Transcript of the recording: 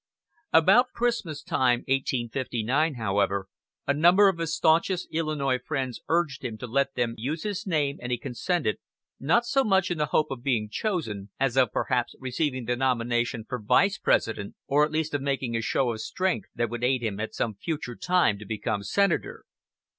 About Christmas time, 1859, however, a number of his stanchest Illinois friends urged him to let them use his name, and he consented, not so much in the hope of being chosen, as of perhaps receiving the nomination for Vice President, or at least of making a show of strength that would aid him at some future time to become senator.